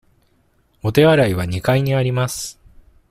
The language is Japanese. お手洗いは二階にあります。